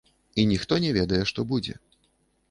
І ніхто не ведае, што будзе.